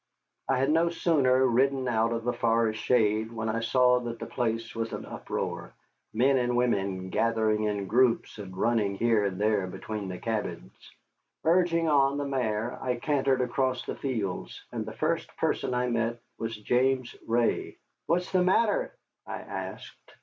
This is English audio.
I had no sooner ridden out of the forest shade when I saw that the place was in an uproar, men and women gathering in groups and running here and there between the cabins. Urging on the mare, I cantered across the fields, and the first person I met was James Ray. "What's the matter?" I asked.